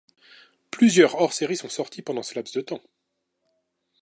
Plusieurs hors-séries sont sortis pendant ce laps de temps.